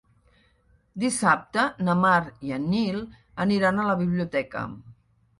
Dissabte na Mar i en Nil aniran a la biblioteca.